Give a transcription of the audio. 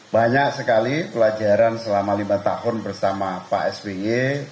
banyak sekali pelajaran selama lima tahun bersama pak sby